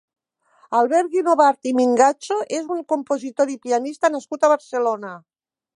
Albert Guinovart i Mingacho és un compositor i pianista nascut a Barcelona.